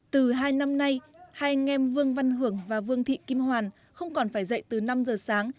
từ hai năm nay hai anh em vương văn hưởng và vương thị kim hoàn không còn phải dậy từ năm giờ sáng